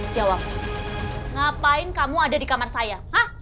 jawab ngapain kamu ada di kamar saya